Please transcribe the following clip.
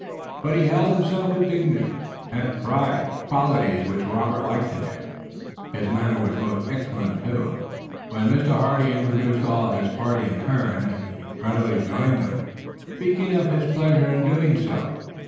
But he held himself with dignity and had pride, qualities which Robert liked in him. His manner was most excellent too, when Mr. Hardy introduced all of his party in turn, and he readily joined them, speaking of his pleasure in doing so.